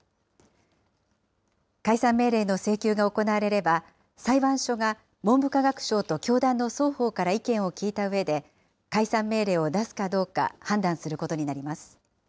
解散命令の請求が行われれば、裁判所が文部科学省と教団の双方から意見を聴いたうえで、解散命令を出すかどうか判断することになります。